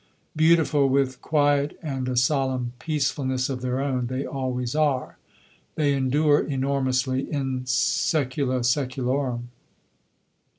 Beautiful, with quiet and a solemn peacefulness of their own, they always are. They endure enormously, in sæcula sæculorum.